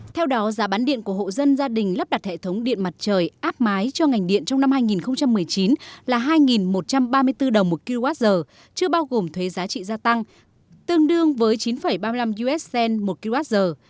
theo đó giá bán điện của hộ dân gia đình lắp đặt hệ thống điện mặt trời áp mái cho ngành điện trong năm hai nghìn một mươi chín là hai một trăm ba mươi bốn đồng một kwh chưa bao gồm thuế giá trị gia tăng tương đương với chín ba mươi năm usd một kwh